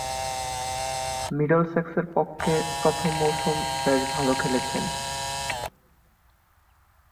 মিডলসেক্সের পক্ষে প্রথম মৌসুম বেশ ভালো খেলেন।